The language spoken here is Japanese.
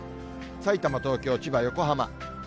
さいたま、東京、千葉、横浜。